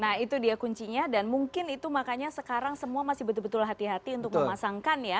nah itu dia kuncinya dan mungkin itu makanya sekarang semua masih betul betul hati hati untuk memasangkan ya